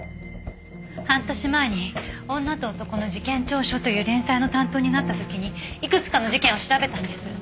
半年前に「女と男の事件調書」という連載の担当になった時にいくつかの事件を調べたんです。